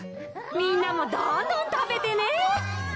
みんなもどんどんたべてね！